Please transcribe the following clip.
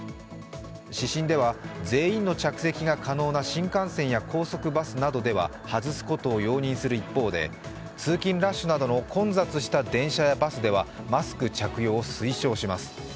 指針では全員の着席が可能な新幹線や高速バスなどでは外すことを容認する一方で通勤ラッシュなどの混雑した電車やバスではマスク着用を推奨します。